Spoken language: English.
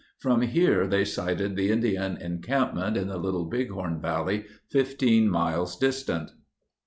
From here they sighted the Indian encampment in the Little Bighorn Valley 15 miles distant.